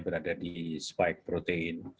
berada di spike protein